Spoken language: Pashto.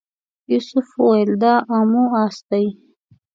یوسف ویل دا امواس دی.